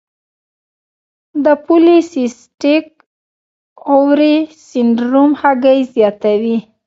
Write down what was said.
د پولی سیسټک اووری سنډروم هګۍ زیاتوي.